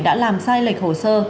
đã làm sai lệch hồ sơ